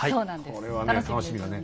これはね楽しみだね。